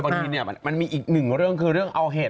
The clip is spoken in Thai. บางทีเนี่ยมันมีอีกหนึ่งเรื่องคือเรื่องเอาเหตุ